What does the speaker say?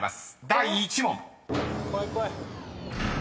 第１問］